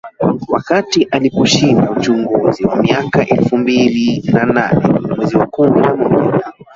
Wakati aliposhinda uchaguzi wa mwaka elfu mbili na nane mwezi wa kumi na moja